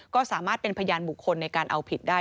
ก็สามารถเป็นพยานบุคคลในการเอาผิดได้